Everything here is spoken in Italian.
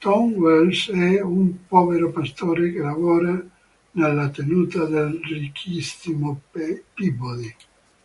Tom Wells è un povero pastore che lavora nella tenuta del ricchissimo Peabody.